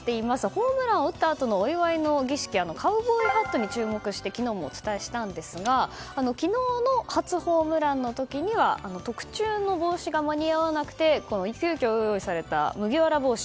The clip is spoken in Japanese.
ホームランを打ったあとのお祝いの儀式カウボーイハットに注目して昨日もお伝えしたんですが昨日の初ホームランの時には特注の帽子が間に合わなくて急きょ用意された麦わら帽子。